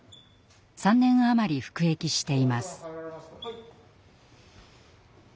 ３年余り服役しています。